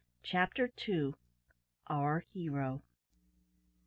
CHAPTER TWO. OUR HERO.